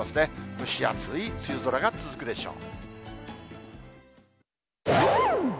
蒸し暑い梅雨空が続くでしょう。